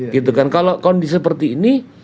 gitu kan kalau kondisi seperti ini